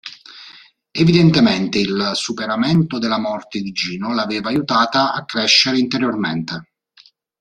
Evidentemente il superamento della morte di Gino l'aveva aiutata a crescere interiormente.